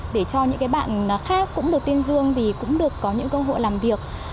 để cho những bạn khác cũng được tuyên dương thì cũng được có những cơ hội làm việc